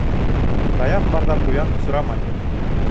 Таяҡ барҙа ҡуян осрамай